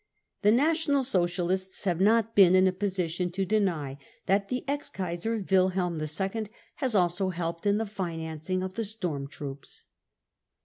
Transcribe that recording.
The National j Socialists have not been in a position to deny that the ^ ex Kaiser Wilhelm II has also helped in the financing of * the storm troops.